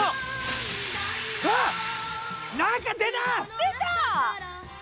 出た！